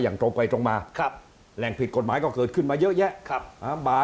อย่างตรงไปตรงมาครับแหล่งผิดกฎหมายก็เกิดขึ้นมาเยอะแยะครับ